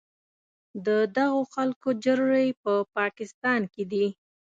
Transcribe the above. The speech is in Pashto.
د دغو ټولو جرړې په پاکستان کې دي.